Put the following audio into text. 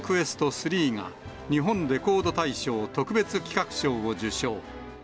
３が、日本レコード大賞特別企画賞を受賞。